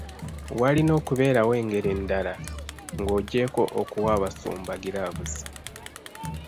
Walina okubeerawo engeri endala ng'oggyeko okuwa abasumba giraavuzi.